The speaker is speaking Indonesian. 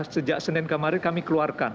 sejak senin kemarin kami keluarkan